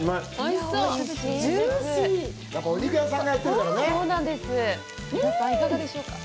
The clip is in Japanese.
いかがでしょうか。